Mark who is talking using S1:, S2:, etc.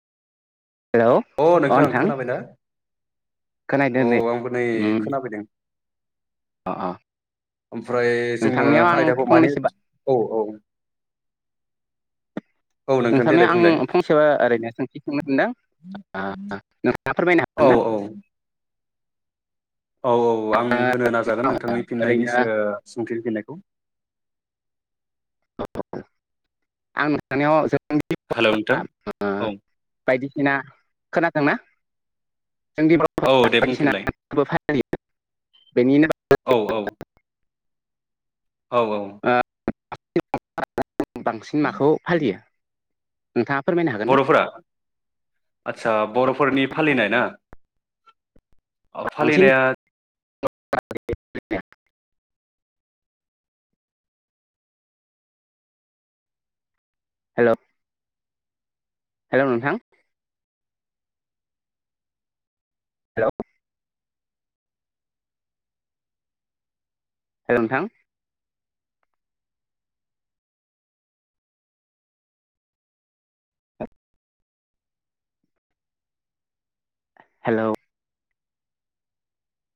S1: Hello
S2: अ नोंथां खोनाबायना अ आंबो नै
S1: उम
S2: खोनाफैदों।
S1: अ अ
S2: ओमफ्राय जोङो
S1: नोंथांनियाव आं
S2: आयदाखौ मानि
S1: फंनैसो बा
S2: औ औ औ नोंथां
S1: नोंथांनो
S2: देलाय
S1: आं
S2: बुंलाय
S1: फंसेबा ओरैनो सोंथि सोंनो सदों ओ नोंथाङा फोरमायनो
S2: औ
S1: हागोन ना?
S2: औ औ औ आं होनो नाजागोन नोंथांनि फिननायनि
S1: ओरैनो
S2: ओ सोंथि फिननायखौ।
S1: औ आं नोंथांनियाव
S2: हेलौ नोंथां औ
S1: [unintelligible] बायदिसिना खोनादोंना [unintelligible]
S2: औ दे
S1: बायदिसिना
S2: बुंफिनलाय
S1: फोरबो फालियो बेनिनो
S2: औ औ औ औ
S1: [unintelligible] बांसिन माखौ फालियो नोंथाङा फोरमायनो हाग
S2: बर'फोरा आदचा बर'फोरनि फालिनाय ना? अ
S1: बांसिन
S2: फालिनाया
S1: हेल' हेल' नोंथां? हेल' हेल' नोंथां? हेलौ?